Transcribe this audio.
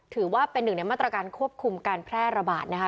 ถือว่าเป็นหนึ่งในมาตรการควบคุมการแพร่ระบาดนะคะ